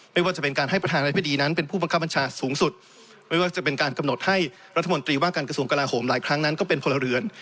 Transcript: ไม่ว่าจะเป็นการให้ประธานาธิบดีนั้นเป็นผู้บังคับบัญชาสูงสุดไม่ว่าจะเป็นการกำหนดให้รัฐมนตรีว่าการกระทรวงกลาโหมหลายครั้งนั้นก็เป็นพลเรือน